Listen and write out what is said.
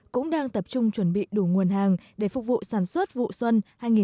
cũng đang tập trung chuẩn bị đủ nguồn hàng để phục vụ sản xuất vụ xuân hai nghìn một mươi bảy